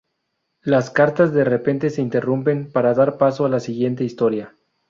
Las cartas de repente se interrumpen para dar paso a la siguiente historia.